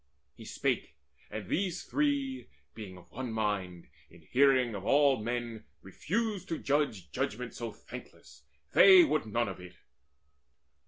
He spake, and these three, being of one mind, In hearing of all men refused to judge Judgment so thankless: they would none of it.